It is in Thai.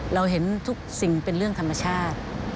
เราเห็นทุกสิ่งเป็นเรื่องธรรมชาติ